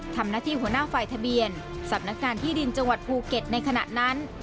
ทำหน้าที่หัวหน้าฝ่ายทะเบียนสำนักงานที่ดินจังหวัดภูเก็ตในขณะนั้น